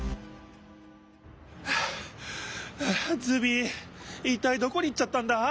ズビいったいどこに行っちゃったんだ？